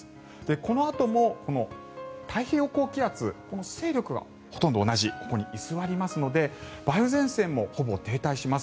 このあとも、太平洋高気圧勢力がほとんど同じここに居座りますので梅雨前線もほぼ停滞します。